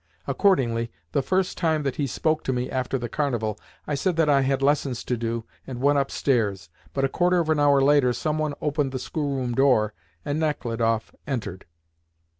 Accordingly, the first time that he spoke to me after the carnival, I said that I had lessons to do, and went upstairs, but a quarter of an hour later some one opened the schoolroom door, and Nechludoff entered.